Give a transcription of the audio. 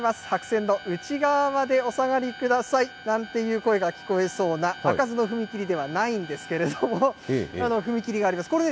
白線の内側までお下がりくださいなんていう声が聞こえそうな、開かずの踏切ではないんですけれども、踏切があります。